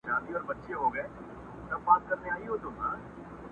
پلار ورو ورو کمزوری کيږي ډېر.